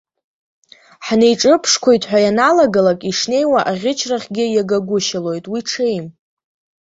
Ҳнеиҿыԥшқәоит ҳәа ианалагалак, ишнеиуа аӷьычрахьгьы иагагәышьалоит, уи ҽеим.